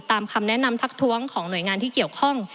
คำแนะนำทักท้วงของหน่วยงานที่เกี่ยวข้อง